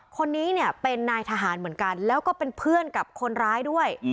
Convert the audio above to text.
คนนี้เนี่ยเป็นนายทหารเหมือนกันแล้วก็เป็นเพื่อนกับคนร้ายด้วย